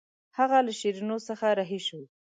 هغه له شیرینو څخه رهي شو.